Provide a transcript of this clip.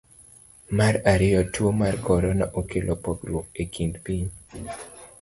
Mar ariyo, tuo mar korona, okelo pogruok e kind pinje.